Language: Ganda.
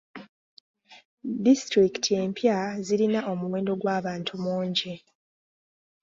Disitulikiti empya zirina omuwendo gw'abantu mungi.